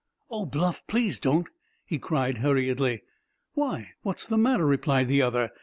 "Oh, Bluff, please don't!" he cried hurriedly. "Why, what's the matter?" replied the other.